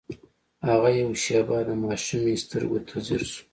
هغه يوه شېبه د ماشومې سترګو ته ځير شو.